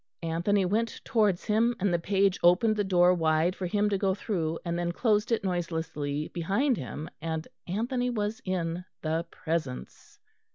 Anthony went towards him, and the page opened the door wide for him to go through, and then closed it noiselessly behind him, and Anthony was in the presence.